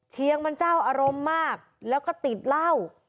เชียงมันเจ้าอารมณ์มากแล้วก็ติดเหล้า